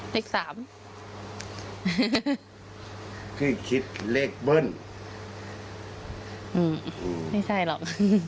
เลขสามคือคิดเลขเบิ้ลไม่ใช่หรอก